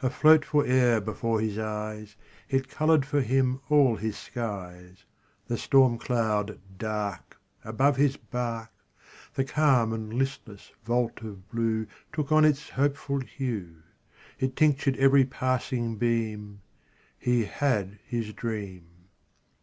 Afloat fore'er before his eyes, It colored for him all his skies: The storm cloud dark Above his bark, The calm and listless vault of blue Took on its hopeful hue, It tinctured every passing beam He had his dream.